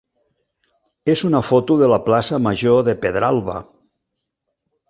és una foto de la plaça major de Pedralba.